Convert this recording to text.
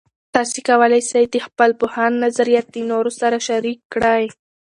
تاسې کولای سئ د خپل پوهاند نظریات د نورو سره شریک کړئ.